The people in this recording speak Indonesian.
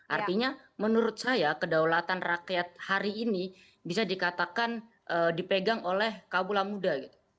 artinya menurut saya kedaulatan rakyat hari ini bisa dikatakan dipegang oleh kaula muda